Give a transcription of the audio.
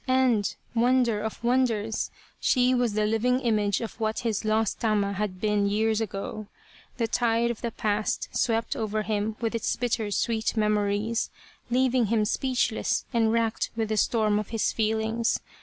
And wonder of wonders ! She was the living image of what his lost Tama had been years ago. The tide of H 113 The Reincarnation of Tama the past swept over him with its bitter sweet memories, leaving him speechless and racked with the storm of his feelings.